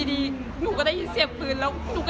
ไม่ใช่เกี่ยวกับหนูอ่ะค่ะ